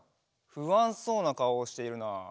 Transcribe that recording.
ふあんそうなかおをしているな。